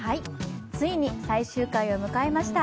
ついに最終回を迎えました。